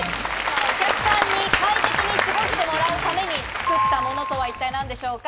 お客さんに快適に過ごしてもらうために作ったものとは一体何でしょうか？